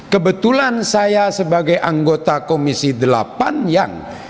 kebetulan saya sebagai anggota komisi delapan yang